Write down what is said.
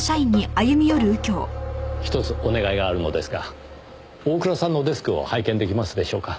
１つお願いがあるのですが大倉さんのデスクを拝見出来ますでしょうか？